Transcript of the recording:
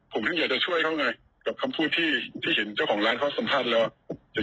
ผมถึงอยากจะช่วยเขาไงกับคำพูดที่เห็นเจ้าของร้านเขาสัมภาษณ์แล้ว